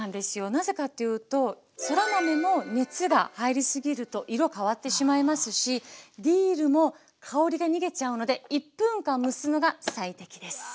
なぜかっていうとそら豆も熱が入りすぎると色変わってしまいますしディルも香りが逃げちゃうので１分間蒸すのが最適です。